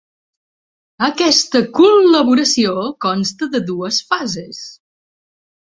Aquesta col·laboració consta de dues fases.